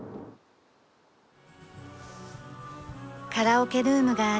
カラオケルームがあり